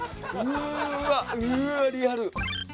うわっ、うわっリアル。